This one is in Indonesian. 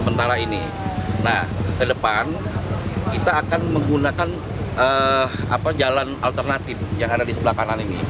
nah ke depan kita akan menggunakan jalan alternatif yang ada di sebelah kanan ini